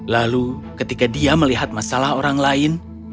lalu ketika dia melihat masalah orang lain